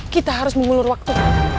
kita harus mengulur waktu